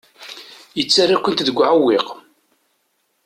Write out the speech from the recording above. Yettarra-kent deg uɛewwiq.